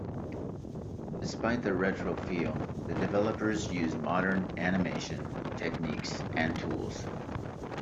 Despite the retro feel, the developers used modern animation techniques and tools.